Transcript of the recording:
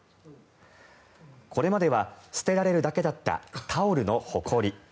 これまでは捨てられるだけだったタオルのほこり。